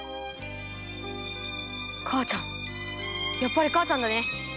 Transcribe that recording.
母ちゃんやっぱり母ちゃんだね。